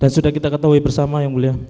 sudah kita ketahui bersama yang mulia